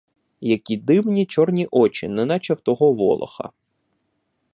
Які дивні чорні очі, неначе в того волоха!